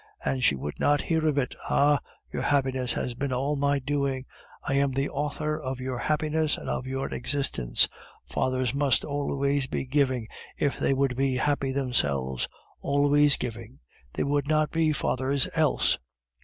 And she would not hear of it! Ah! your happiness has been all my doing. I am the author of your happiness and of your existence. Fathers must always be giving if they would be happy themselves; always giving they would not be fathers else."